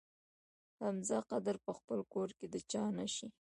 حمزه قدر په خپل کور کې د چا نه شي.